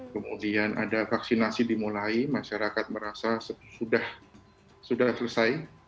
kemudian ada vaksinasi dimulai masyarakat merasa sudah selesai